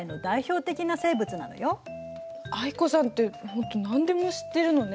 藍子さんってほんと何でも知ってるのね。